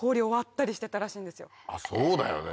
そうだよね。